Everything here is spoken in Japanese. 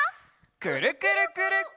「くるくるくるっ」！